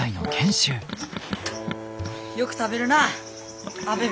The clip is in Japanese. よく食べるなあ。